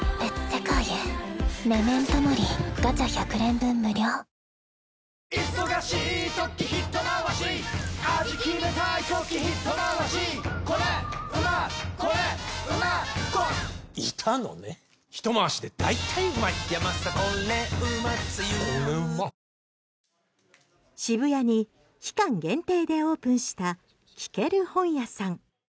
便質改善でラクに出す渋谷に期間限定でオープンした聴ける本屋さん。